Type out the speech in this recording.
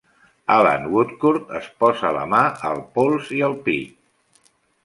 Allan Woodcourt es posa la mà al pols i al pit.